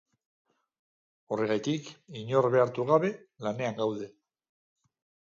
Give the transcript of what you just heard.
Horregatik, inor behartu gabe, lanean gaude.